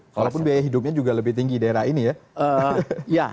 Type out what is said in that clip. walaupun biaya hidupnya juga lebih tinggi daerah ini ya